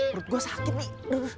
perut gue sakit nih